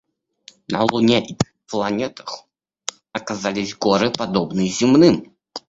На Луне и планетах оказались горы, подобные земным.